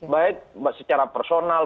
baik secara personal